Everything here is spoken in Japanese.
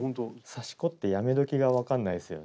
刺し子ってやめ時が分かんないすよね。